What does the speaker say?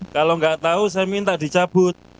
kalau nggak tahu saya minta dicabut